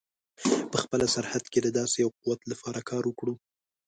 په خپله سرحد کې د داسې یوه قوت لپاره کار وکړو.